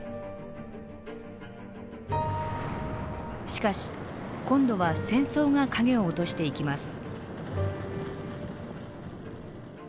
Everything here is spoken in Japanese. しかし今度は戦争が影を落としていきます。